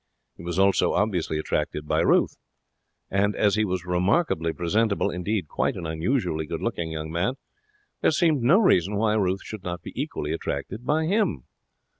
He was also obviously attracted by Ruth. And, as he was remarkably presentable indeed, quite an unusually good looking young man there seemed no reason why Ruth should not be equally attracted by him.